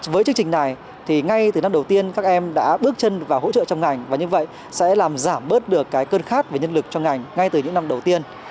với chương trình này thì ngay từ năm đầu tiên các em đã bước chân vào hỗ trợ trong ngành và như vậy sẽ làm giảm bớt được cái cơn khát về nhân lực cho ngành ngay từ những năm đầu tiên